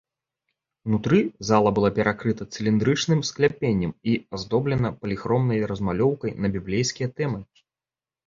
Унутры зала была перакрыта цыліндрычным скляпеннем і аздоблена паліхромнай размалёўкай на біблейскія тэмы.